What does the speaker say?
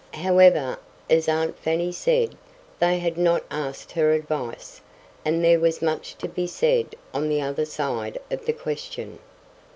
However, as aunt Fanny said, they had not asked her advice; and there was much to be said on the other side of the question.